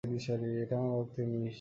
এটা আমার রক্তে মিশে আছে।